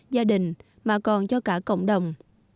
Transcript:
gia đình mà còn cho cả cộng đồng